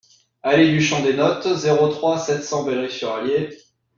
Allée du Champ des Nôtes, zéro trois, sept cents Bellerive-sur-Allier